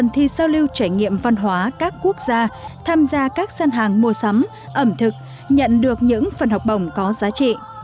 thi giao lưu trải nghiệm văn hóa các quốc gia tham gia các sân hàng mua sắm ẩm thực nhận được những phần học bổng có giá trị